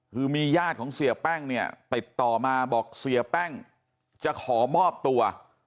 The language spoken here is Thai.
คือมีญาติของเสียแป้งเนี่ยติดต่อมาบอกเสียแป้งจะขอมอบตัว